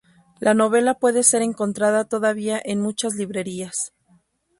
La novela puede ser encontrada todavía en muchas librerías.